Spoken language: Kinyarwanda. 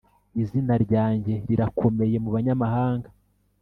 izina ryanjye rirakomeye mu banyamahanga